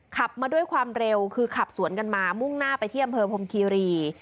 ขับมาด้วยความเร็วคือขับสวนกันมามุ่งหน้าไปที่อำเภอพรมคีรี